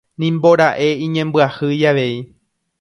Nimbora'e iñembyahýi avei.